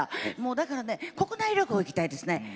だから国内旅行に行きたいですね。